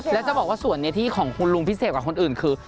แล้วจะบอกว่าส่วนนี้ที่ของคุณลุงพิเศษกว่าคนอื่นคือ